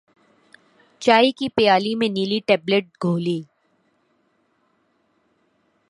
چائے کی پیالی میں نیلی ٹیبلٹ گھولی